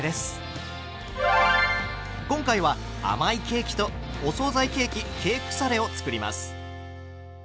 今回は甘いケーキとお総菜ケーキケークサレを作ります。